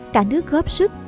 cả nước góp sức